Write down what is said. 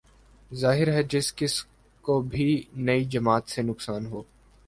ظاہر ہے جس کس کو بھی نئی جماعت سے نقصان ہو